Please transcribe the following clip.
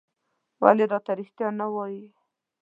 ولې راته رېښتيا نه وايې؟